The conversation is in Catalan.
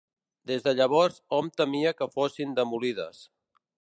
Des de llavors hom temia que fossin demolides.